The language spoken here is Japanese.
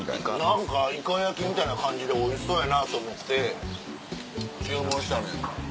何かイカ焼きみたいな感じでおいしそうやなと思って注文したのよ。